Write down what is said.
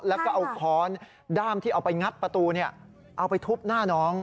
แล้วก็เอาค้อนด้ามที่เอาไปงัดประตูเอาไปทุบหน้าน้อง